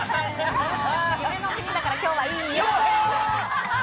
夢の国だから今日はいいよ。